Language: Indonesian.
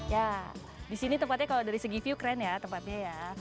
ya di sini tempatnya kalau dari segi view keren ya tempatnya ya